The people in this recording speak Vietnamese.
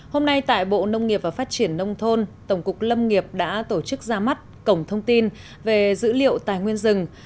hôm nay tại bộ nông nghiệp và phát triển nông thôn tổng cục lâm nghiệp đã tổ chức ra mắt cổng thông tin về dữ liệu tài nguyên rừng